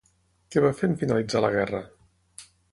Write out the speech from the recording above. Què va fer en finalitzar la guerra?